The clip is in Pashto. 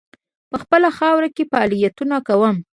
په خپله خاوره کې فعالیتونه کوم.